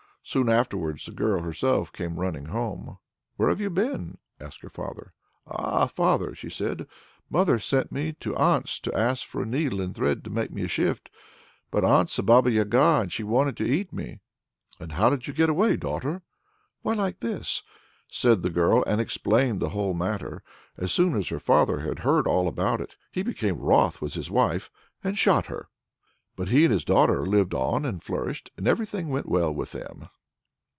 Soon afterwards the girl herself came running home. "Where have you been?" asked her father. "Ah, father!" she said, "mother sent me to aunt's to ask for a needle and thread to make me a shift. But aunt's a Baba Yaga, and she wanted to eat me!" "And how did you get away, daughter?" "Why like this," said the girl, and explained the whole matter. As soon as her father had heard all about it, he became wroth with his wife, and shot her. But he and his daughter lived on and flourished, and everything went well with them.